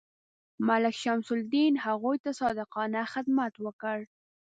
ملک شمس الدین هغوی ته صادقانه خدمت وکړ.